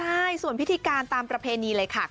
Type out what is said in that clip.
ใช่ส่วนพิธีการตามประเพณีเลยค่ะ